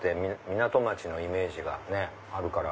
港町のイメージがあるから。